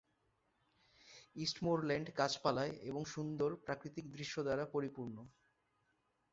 ইস্টমোরল্যান্ড গাছপালায় এবং সুন্দর প্রাকৃতিক দৃশ্য দ্বারা পরিপূর্ণ।